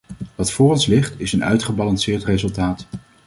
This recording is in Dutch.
Wat voor ons ligt, is een uitgebalanceerd resultaat.